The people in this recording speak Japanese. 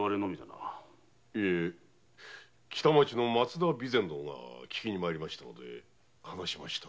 いえ北町の松田備前殿がききに参ったゆえ話しました。